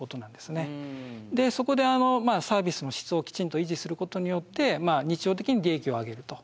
そこでサービスの質をきちんと維持することによって日常的に利益を上げると。